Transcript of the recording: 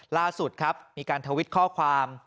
ล่าสุดครับมีการทวิตข้อความ